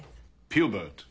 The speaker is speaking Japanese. ピューバート。